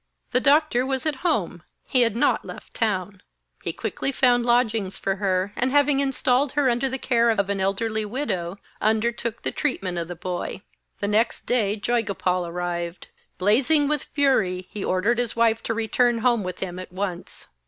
The doctor was at home he had not left the town. He quickly found lodgings for her, and having installed her under the care of an elderly widow, undertook the treatment of the boy. The next day Joygopal arrived. Blazing with fury, he ordered his wife to return home with him at once.